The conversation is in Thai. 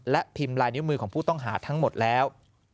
และพิมพ์ลายนิ้วมือของผู้ต้องหาทั้งหมดแล้ว